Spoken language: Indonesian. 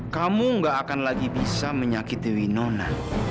kamu gak akan lagi bisa menyakiti winona